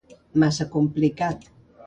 Massa complicat.